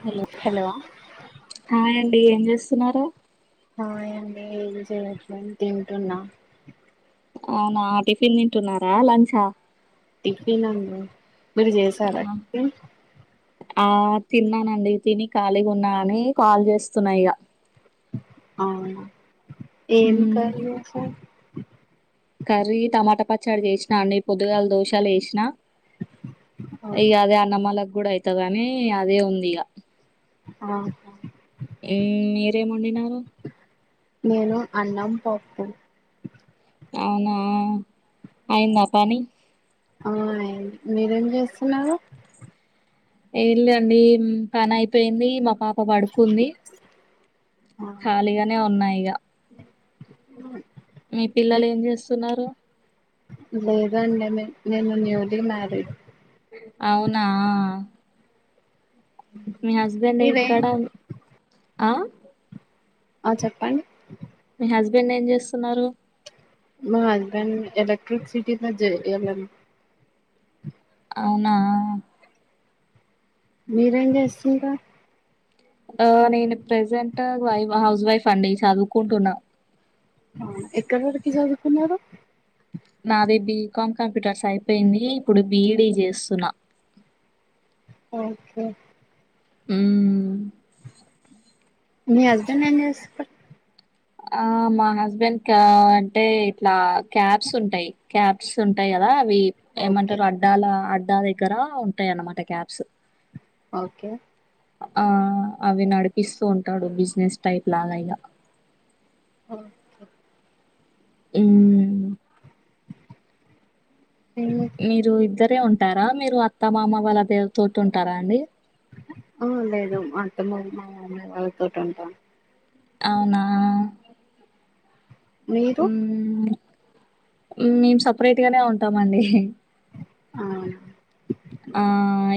Hello హాయ్ండి ఏం చేస్తున్నారు ఆ ఏం లేదు చేయట్లుని తింటున్నా అవునా టిఫిన్ తింటున్నారా లంచా టిఫన్ండి మీరు ఆ చేసారా టిఫిన్ ఆ తిన్నానండి తిని ఖాళీగా ఉన్నా అని కాల్ చేస్తున్నా ఇక అవునా ఏం కర్రీ వేశారు కర్రీ టమాటా పచ్చాడి చేసినా అండి పొదుగాల దోశాలు వేసిన ఇక అదే అన్నమ్మాలకి కూడా అయితదని అదే ఉంది ఇక ఆహా మీరేం వండిన్నారు నేను అన్నం పప్పు అవునా అయిందా పని అవునే మీరేం చేస్తున్నారు ఏం లేండి పని అయిపోయింది మా పాప పడుకుంది ఖాళీగానే ఉన్నాయిక అ మీ పిల్లలు ఏం చేస్తున్నారు లేదండి నేను న్యూలీ మ్యారీడ్ అవునా మీ హస్బెండ్ మీరే ఏక్కడ ఆ ఆ చెప్పండి మీ హస్బెండ్ ఏం చేస్తున్నారు మా హస్బెండ్ ఎలక్ట్రి సిటీ జ ఎలా అవునా మీరేం చేస్తుంటా ఆ నేను ప్రజెంట్ వైఫ్ హౌస్ వైఫ్ అండి చదువుకుంటున్నా ఎక్కడి వరకి చదువుకున్నారు కామ్ కంప్యూటర్స్ అయిపోయింది ఇప్పుడు బీఈడీ చేస్తున్నా ఓకే అ మీ హస్బెండ్ ఏం చేస్తాడు ఆ మా హస్బెండ్ కా అంటే ఇట్లా క్యాబ్స్ ఉంటాయి క్యాబ్స్ ఉంటాయి కదా అవి ఓకే ఏమంటారు అడ్డాల అ అడ్డా దగ్గర ఉంటాయ అన్నమాట క్యాబ్స్ ఓకే ఆ అవి నడిపిస్తూ ఉంటాడు బిజినెస్ టైప్ లాగా ఇక ఓకే ఊ నేను మీరు ఇద్దరే ఉంటారా మీరు అత్త మామ వాళ్ళ దే తోటి ఉంటారా అండి ఆ లేదు మా అత్తమ్మ మా మామయ్య వాళ్లతోటి ఉంటాం అవునా మీరు మేం సపరేట్ గానే ఉంటామండి అవునా ఆ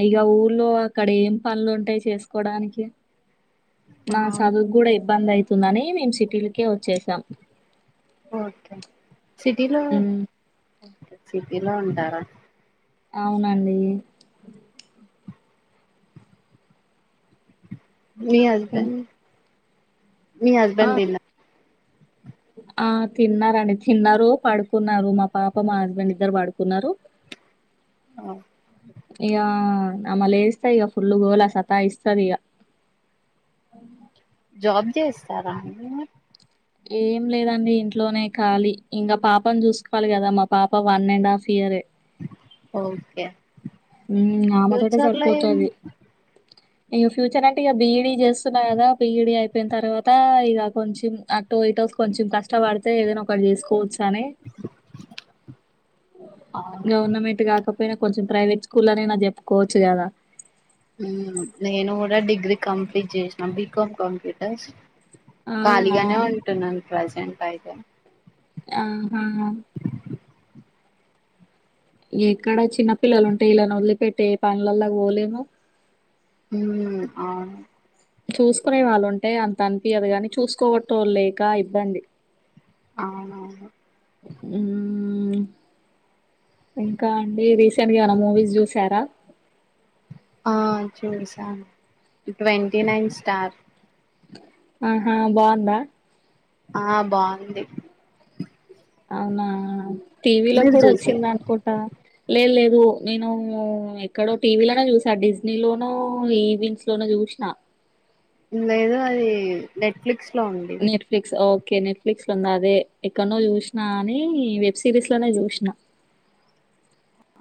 ఇక ఊర్లో అక్కడ ఏం పనులుంటాయి చేసుకోడానికి నా ఆ చదువుకు కూడా ఇబ్బంది అవుతుందని మేము సిటీలకే వొ ఓకే సిటీలో హ్మ్. సిటీలో ఉంటారా అవునండి మీ హ్మ్. హస్బెండ్ మీ ఆ! హస్బెండ్ దీన ఆ తిన్నారండి తిన్నారు పడుకున్నారు మా పాప మా హస్బెండ్ ఇద్దరు పడుకున్నారు ఇగా ఆమె లేస్తే ఈక ఫుల్ గోలా సతా ఇస్తది ఈగ జాబ్ చేస్తారాండి ఏం లేదండి ఇంట్లోనే కాలి ఇంకా పాపని చూసుకోవాలి కదా మా పాప వన్ అండ్ హాఫ్ ఇయ్యారే ఓకే ఉ ఆమె తోటే ఫ్యూచర్ లో ఏం సరిపోతది ఇక ఫ్యూచర్ అంటే ఇక బిఈడీ చేస్తున్నా కదా బిఈడీ అయిపోయిన తర్వాత ఇక కొంచెం అటో ఇటో కొంచెం కష్టపడితే ఏదైనా ఒకటి చేసుకోవచ్చు తానే అవును గవర్నమెంట్ కాకపోయినా కొంచె ప్రైవేట్ స్కూల్లో నైనా చెప్పుకోవచ్చు కదా నేను కూడా డిగ్రీ కంప్లీట్ చేసినా బీకం కంప్యూటర్స్ అవునా? ఖాళీగానే ఉంటున్నాను ప్రజెంట్ అయితే ఆహా ఎక్కడ చిన్న పిల్లలు ఉంటే ఈలను వదిలిపెట్టే ఏ పనులల్లా పోలేము ఊ అవును చూసుకునే వాళ్ళుంటే అంత అనిపియదు గాని చూసుకునేటోళ్లు లేక ఇబ్బందీ అవునవును ఉమ్మ్మ ఇంకా అండి రీసెంట్‌గా ఏమన్నా మూవీస్ జూశారా ఆ చూసాను ట్వంటీ నైన్ స్టార్ ఆహా బా ఉందా ఆ బా ఉంది అవునా టీవీలో మీరు కూడా చూసారా వచ్చిందనుకుంట లే లేదు ఒ నేను ఎక్కడో టీవీ లోనో జూసా డిజనీ లోనో ఈవింగ్స్ లోనో జూష్నా లేదు అది నెట్‌ఫ్లిక్స్ నెట్‌ఫ్లిక్స్ ఒ ఓకే నెట్‌ఫ్లిక్స్ లో ఉందా అదే ఎక్కన్నో జూష్నా అన్ని వెబ్ సిరీస్ లనే జూష్నా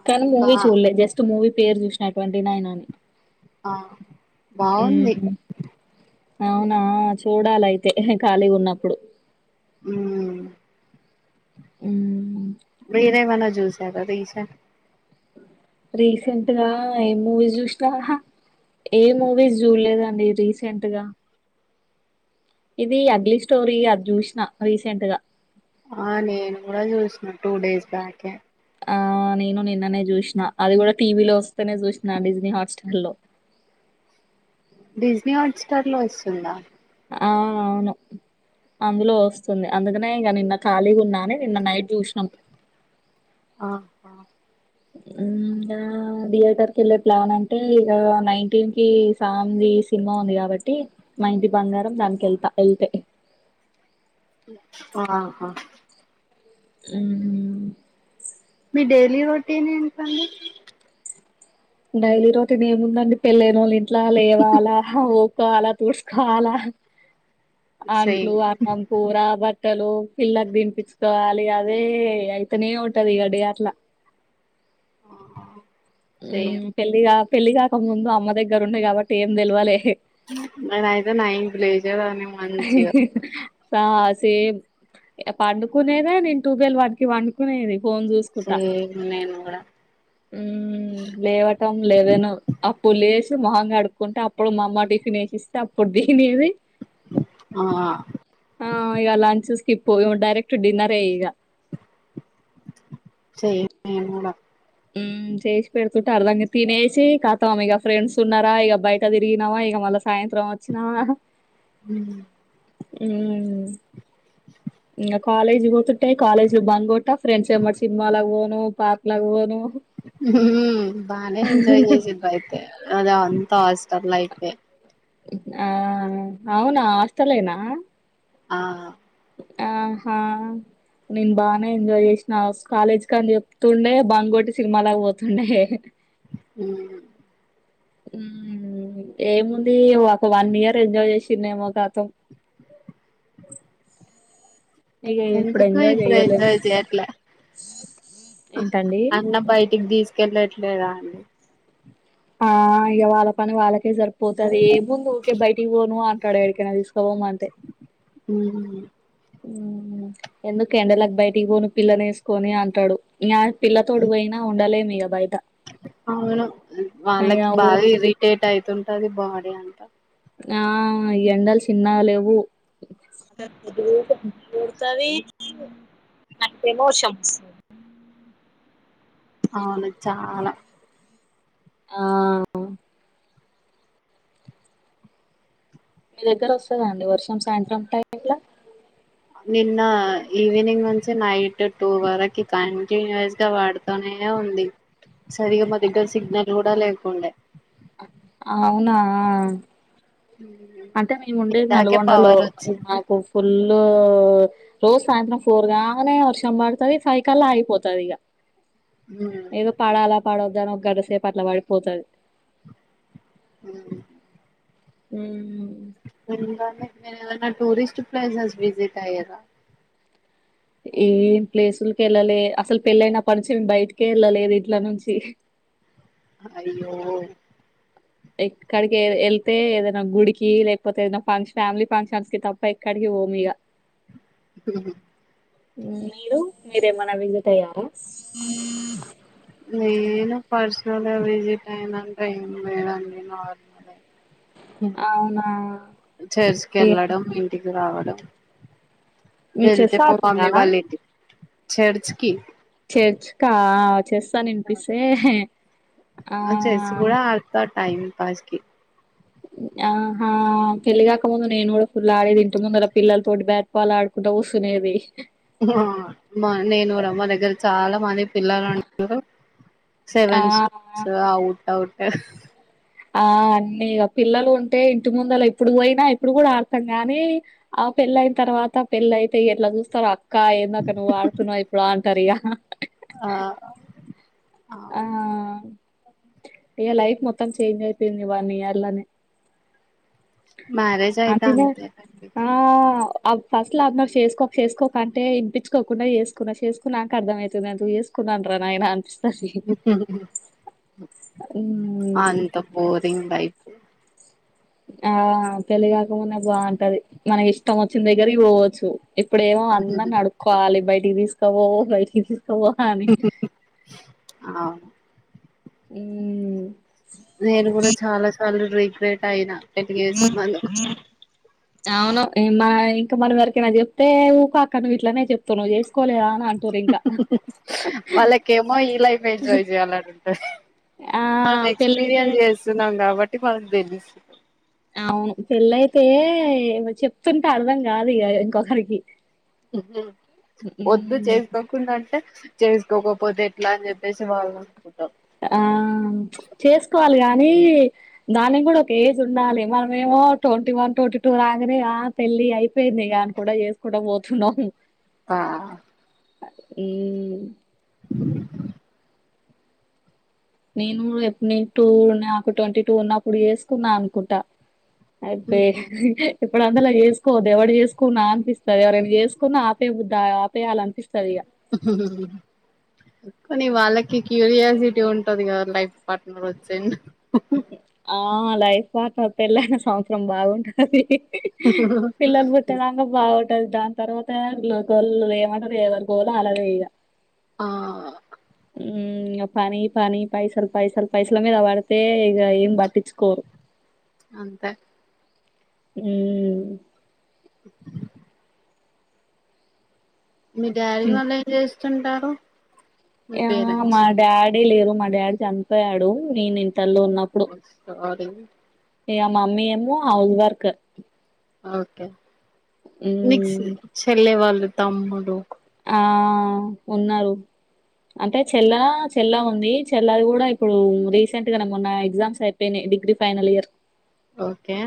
కానీ ఇంకా మూవీ చూడలే జస్ట్ మూవీ పేరు జూష్నా ట్వంటి నైన్ అని ఆ బా ఉంది మ్మ్ అవునా చూడాలైతే హే ఖాళీగా ఉన్నప్పుడు హ్మ్ ఉమ్మ్ మీరేమన్నా జూసారా రీసెంట్‌ రీసెంట్‌గా ఏం మూవీస్ జూష్నా హా ఏ మూవీస్ జూడలేదండి రీసెంట్‌గా. ఇది అగలీ స్టోరీ అద జూష్నా రీసెంట్ గా ఆ నేను కూడా జూష్నా టూ డేస్ బ్యాక్ ఏ ఆ నేను నిన్ననే జూష్నా అది కూడా టీవీ లో వస్తేనే జూష్నా డిస్నీ హాట్‌స్టార్ లో [unintelligible] డిస్నీ హాట్‌స్టార్ లో వస్తుందా అవుననును అందులో వస్తుంది అందుకనే ఇగా నిన్న ఖాళీగ ఉన్నాని నిన్న నైట్ జూష్నం ఆహా ఎండ ఆ థియేటర్ కళ్లె ప్లాన్ అంటే ఇగా నైన్టీన్ కి సామ ది సినిమా ఉంది గాబట్టి మా ఇంటి బంగారం దానికి ఎల్తా ఎల్తే ఆహా ఉమ్మ్ మీ డైలీ రొటీన్ ఏంటండీ డైలీ రొటీన్ఏముందండి, పెళ్లైనోళ్లు ఇంట్లో లేవాలా హా, ఊకోవాలా, తుడుచుకోవాలా. హ్మ్ అంట్లు సేమ్ అన్నం కూర బట్ బట్టలు పిల్లకు దినపించుకోవాలి అదే అయితనే ఉంటది ఇగా డే అట్లా [inaudible] సేమ్ ఉమ్మ్ పెళ్లిగాక పెళ్లిగాక ముందు అమ్మ దగ్గర ఉండే కాబట్టి ఏం తెల్వలేహె నేనైతే నైన్కి లేచేదాన్ని హే మంచిగా హే హు ఆ సేమ్ పండుకునేదే నేను ట్వెల్వ్ వన్‌కి పడుకునేది సేమ్ నేన్ గూడా ఎం లేవటం, లెవెనూ అప్ అప్పుడు లేషి మొహం కడుక్కుంటా, అప్పుడు మామ టిఫిన్ ఏశిస్తే అప్పుడు తినేది ఆ ఆ ఇయ్యాల అని చూస్ ఇప్పుడూ డైరెక్ట్ డిన్నర్ ఏ ఇగా ఏంలేదు కూడా మ్మ్ చేసి పెడుతుంటారు అర్దంగా తినేసి కతాం ఇగ ఫ్రెండ్స్ ఉన్నారా ఇగా బయట తిరిగినవా ఇగా మళ్ళ సాయంత్రం వచ్చినావా మ్మ్ మ్మ్ ఇంగ కాలేజ్ పోతుట్టే కాలేజ్ బంక్ కొట్ట ఫ్రెండ్స్ ఎమ్మట సినిమాలగు పోను పార్క్లగు పోను మ్మ్ బానే ఎంజాయ్ చేసిండ్రు అయితే కదా తాస్టర్లా అయితే ఆ అవునా ఆస్టలేనా ఆ ఆహా నేను బానే ఎంజాయ్ చేసినా కాలేజ్ క అని చెప్తుండే బంగొట్టి సినిమాలగా పోతుండే మ్మ్ మ్మ్ ఏముంది ఒక వన్ ఇయర్ ఎంజాయ్ చేసిందేమో కతం ఇక ఇప్పుడు ఎందుకు ఎంజాయ్ ఇబ్బుడు చెయ్యలేం ఎంజాయ్ చేయట్లా ఏంటండి అన్న బయటికి తీసుకెళ్ళట్లేదా అండి ఆ ఇగ వాళ్ళ పని వాళ్ళకే సరిపోతది ఏం ముందు ఊకే బయటి పోను ఆంటాడు ఏడికైన తీసుకపొమ్మంటే హ్మ్ మ్మ్ ఎందుకు ఎండలకి బయటికి పోను పిల్లని వేసుకొని అంటాడు ఇంగ పిల్లతోడు పోయినా ఉండలేం ఇగ బయట అవును ఇగ వాళ్ళకి ఊ బాగా ఇరిటేట్ అయితుంటది బాడీ అంతా ఆ ఈ ఎండలు చిన్నగా లేవు నాకు టెలోషమ్ వస్తుంది అవును చాలా ఆ మీ దగ్గర వస్తద అండి వర్షం సాయంత్రం టైమ్లా నిన్న ఈవినింగ్ నుంచి నైట్ టూ వరకు కంటిన్యూస్ గా పడుతూనే ఉంది ఉంది సరిగా మాకు ఇంకా సిగ్నల్ కూడా లేకుండే అవునా అంటే మేము ఉండేది ఇందాకే నల్గొండలో పవర్ వచ్చింది మాకు ఫుల్ రోజు సాయంత్రం ఫోర్ కాగానే వర్షం పడుతది ఫైవ్ కల్ల ఆగిపోతది ఇగా ఏదో పడాల పడవద్దా అని ఒక గడ్డసేపు అట్లా పడిపోతది మ్మ్ మ్మ్ మీరు గాని ఏదైనా టూరిస్ట్ ప్లేసెస్ విజిట్ అయ్యారా ఏం ప్లేసులకి వెళ్ళలే అసలు పెళ్ళయినా అప్పటి నుంచి మేము బయటికే వెళ్ళలేదు ఇంట్ల నుంచి అయ్యో ఎక్కడికి వెళ్తే ఏదైనా గుడికి లేకపోతే ఏద ఫంక్షన్ ఫ్యామిలీ ఫంక్షన్స్ కి తప్ప ఎక్కడికి పోమిగా స మ్మ్ మీరు మీరేమన్నా విజిట్ అయ్యార నేను పర్సనల్గా విజిట్ అయిన టైం లేదండి నార్మలే అవునా చర్చ్ ఏ కెళ్ళడం ఇంటికి రావడం మీరు వెళ్తే చెస్ బావుండే ఆడతారా వాళ్ళ ఇంటికి చర్చకి చర్చ్కా చేస్తాను వినిపిస్తే ఆ చెస్ కూడా ఆడతా టైం పాస్ కి ఆహా కెలిగాకు అడ ముందు నేను కూడా ఫుల్ ఆడే ఇంటి ముందు అలా పిల్లతోటి బ్యాట్ బాల్ ఆడుకుంటా వసునేది మా నేను రమ్మ దగ్గర చాలా మంది పిల్లగాండ్లు ఆ సెవెన్ స్టార్స్ ఔట్ అఔట్ ఆ అన్నీ పిల్లలు ఉంటే ఇంటి ముందులా ఎప్పుడు పోయినా ఇప్పుడు కూడా ఆడతాం గానీ ఆ పెళ్ళ అయిన తర్వాత పెళ్ళ అయితే ఎట్లా చూస్తారో అక్క ఏందాక నువ్వు ఆడుతున్నావు ఇప్పుడు అంటారు ఇక ఆ ఆ అవును ఈగ లైఫ్ మొత్తం చేంజ్ అయిపోయింది వన్ ఇయర్ లోనే మ్యారేజ్ అ అయితే తిను అంతేనండి ఆ ఫస్ట్ లా అందరూ చేసుకో చేసుకోక అంటే ఇంపించుకోకుండా చేసుకున్నా చేసుకున్నాక అర్థమవుతుంది అది వేసుకున్నా డరా నాయనా అస్ అంత బోరింగ్ లైఫ్ [inaudible] ఆ పెళ్లి కాక ముందే బాగుంటది మనకి ఇష్టం వచ్చిన దగ్గరకి పోవచ్చు ఇప్పుడేమో అందర్నీ ఆడుక్కోవాలి బయటికి తీసుకపోవు బయ సోహాని అవును ఉ రీగ్రెట్ అయిన పెళ్లి చేసుకున్నోళ్లు అవును మా ఇంకా మనవరకైనా చెప్తే ఊకో అక్క నీవు ఇట్లానే చెప్తున్నావ్ నీవు చే వాళ్ళకఏమో ఈ లైఫ్ ఎంజాయ్ చెయ్యాలని ఉంటది ఆ మనం పెళ్ళై ఎక్స్పీరియన్స్ చేస్తున్నాం కాబట్టి మనకి తెలుస్తు అవును పెళ్ళయితే చెప్తుంటే అర్ధం కాదు ఇక ఇంకొకరికి వద్దు ఉమ్. చేసుకోకుండాంటే చేసుకోకపోతే ఎట్లా అని చెప్పేసి వాళ్లు అన ఆ చేసుకోవాలి గా నీ దాని కూడా ఒక ఏజ్ ఉండాలి మనమ ఏమో ట్వంటీ వన్ ట్వంటీ టూ రాగానే ఆ పెళ్లి ళ్లి అయిపోయింది కాని కూడా చేసుకోడం పోతున్నాం ఆ ఉ [inaudible] నేను ఎప్పు న టూ నాకు ట్వంటీ టూ ఉన్నప్పుడు చేసుకున్నా అనుకుంటా అయితే ఇప్పుడు అందులా చేసుకోవద్దు ఎవరు చేసుకున్నా అనిపిస్తంది ఎవరనా చేసుకున్నా ఆపే ఆపేయి అనిపిస్తుంది ఇగ [inaudible] కానీ వాళ్ళకి క్యూరియాసిటీ ఉంటది కదా లైఫ్ పార్ట్నర్ వచ్చిండు అ హ ఆ లైఫ్ పార్ట్నర్ పెళ్ళైన సంవత్సరం బాగుంటది పిల్లలు పుట్టినంక బావుండదు దాని తర్వాత గోలు ఏమంటారు ఎవరు గోలు అలాదే ఈగ ఆ ఇగ పని పని పైసలు పైసాలు పైసల మీద పడితే ఇక ఏం పట్టించుకోరు [inaudible] అంతే ఉ [inaudible] మీ డాడి వాళ్ళు ఏం జేస్తుంటారు ఏమో మా డాడీ లేరు మా డాడీ చనిపోయాడు నేను ఇంటర్లో ఉన్నప్పుడు ఏ ఇగ మమ్మీ ఏమొ హౌజ్ వర్క్ ఓకే నిక్సు ఉమ్ చెల్లె వాళ్ళు తమ్ముడు ఆ ఉన్నరు అంటే చెల్ల చెల్ల ఉంది చెల్లది గూడా ఇప్పుడు రీసెంట్ గా మొన్న ఎగ్జామ్స్ అయిపెయినాయ్ డిగ్రీ ఫైనలియర్ ఓకే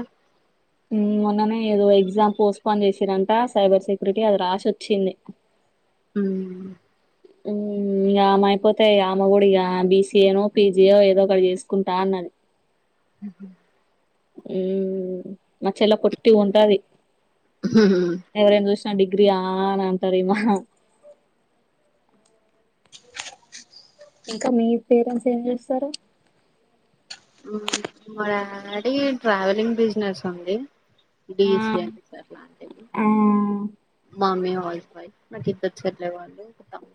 ఊ మొన్ననే ఏదో ఎగ్జామ్ పోస్ట్పోన్ చేసిరంట సైబర్ సెక్యూరిటీ అది రాసొచ్చింది ఊ ఊ ఇగ ఆమ అయిపోతే ఇగ ఆమ గూడా ఇగ బిసీఏనో పీజియో ఏదో ఒకటి జేసుకుంటా అన్నది ఉహు ఊ మా చెల్ల పొట్టిగుంటాది హ నా డిగ్రీ ఆ అనంటారేమో ఇంకా మీ పేరెంన్స్ ఏం జెస్తారా ఉ మా డాడీ ట్రావెలింగ్ బిజినెస్సుంది ఆ డీఎస్సీ ఆఫిసర్ల అండి ఆ [unintelligible] క్వాలిఫై నాకిద్దర్ చల్లె వాళ్ళు ఒక తమ్ము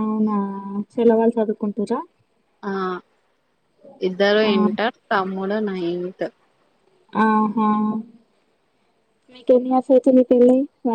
అవునా చెల్లె వాళ్ళ్ చదుకుంటుర్రా ఆ ఇద్దరు ఆ, ఇంటర్ తమ్ముడు నైన్తు ఆహా మీకెన్నియర్స్ అయితుంది పెళ్ళై వ